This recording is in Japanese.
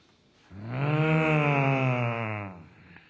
うん。